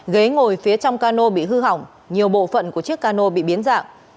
ghế ngồi phía trong cano bị hư hỏng nhiều bộ phận của chiếc cano bị biến dạng